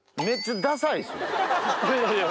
いやいや。